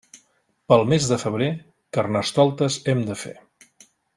Pel mes de febrer, Carnestoltes hem de fer.